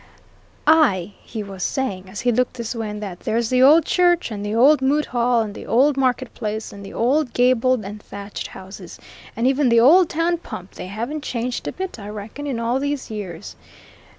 "'Aye!' he was saying, as he looked this way and that, 'there's the old church, and the old moot hall, and the old market place, and the old gabled and thatched houses, and even the old town pump they haven't changed a bit, I reckon, in all these years!'